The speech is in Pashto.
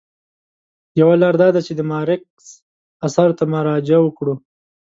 یوه لاره دا ده چې د مارکس اثارو ته مراجعه وکړو.